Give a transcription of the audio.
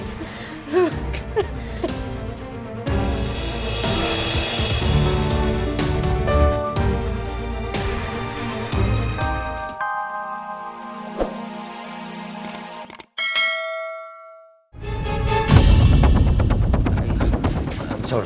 tentu dia putri